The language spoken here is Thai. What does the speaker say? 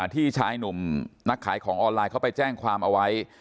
ที่ชายหนุ่มนักขายของออนไลน์เขาไปแจ้งความเอาไว้